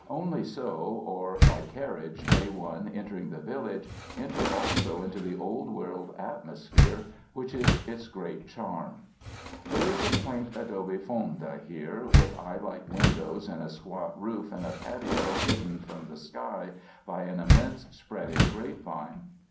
Only so, or by carriage, may one, entering the village, enter also into the Old World atmosphere which is its great charm. There is a quaint adobe fonda there, with eye like windows in a squat roof and a patio hidden from the sky by an immense, spreading grapevine.